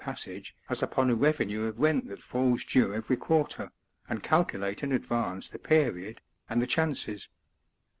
<^sage as upon a revenue of' rent that falls due every (juarter, and calculate in advance the period, and the chances.